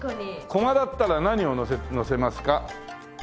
駒だったら何をのせますか？